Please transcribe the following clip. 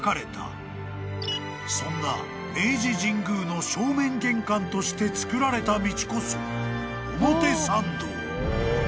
［そんな明治神宮の正面玄関として造られた道こそ表参道］